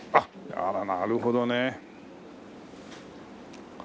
あらなるほどね。